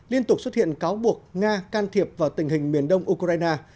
liên tục xuất hiện cáo buộc nga can thiệp vào tình hình miền đông ukraine